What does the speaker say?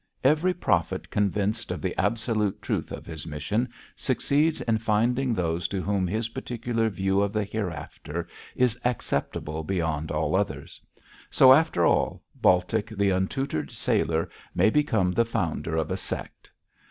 Every prophet convinced of the absolute truth of his mission succeeds in finding those to whom his particular view of the hereafter is acceptable beyond all others. So, after all, Baltic, the untutored sailor, may become the founder of a sect.